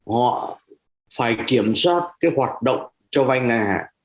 họ phải kiểm soát cái hoạt động cho vay ngang hàng